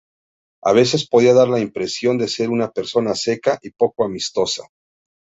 A veces podía dar la impresión de ser una persona seca y poco amistosa.